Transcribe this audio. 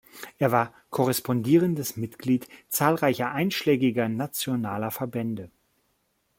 Er war korrespondierendes Mitglied zahlreicher einschlägiger nationaler Verbände.